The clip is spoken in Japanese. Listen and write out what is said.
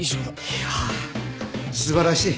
いや素晴らしい。